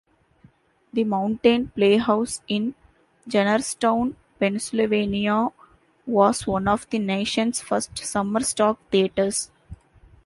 The Mountain Playhouse in Jennerstown, Pennsylvania, was one of the nation's first "summer-stock" theaters.